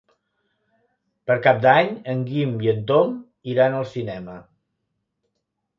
Per Cap d'Any en Guim i en Tom iran al cinema.